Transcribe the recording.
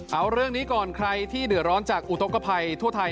เอาเรื่องนี้ก่อนใครที่เดือดร้อนจากอุทธกภัยทั่วไทย